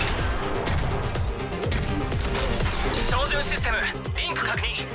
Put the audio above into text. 照準システムリンク確認。